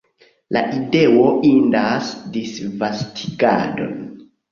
La ideo indas disvastigadon!